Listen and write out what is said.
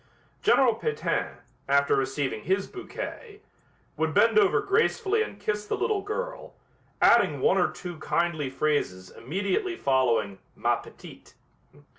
General Pétain, after receiving his bouquet, would bend over gracefully and kiss the little girl, adding one or two kindly phrases immediately following "ma petite."